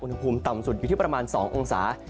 อุณหภูมิต่ำสุดอยู่ที่ประมาณ๒องศา